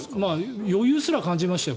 余裕すら感じましたよ